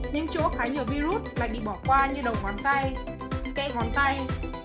nhưng chỗ khá nhiều virus lại bị bỏ qua như đầu ngón tay kẽ ngón tay